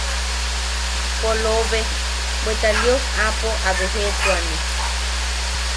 Polobe, bweta Lios aapo a bejeʼetuane.